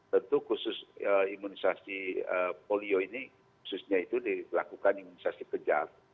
tentu khusus imunisasi polio ini khususnya itu dilakukan imunisasi kejar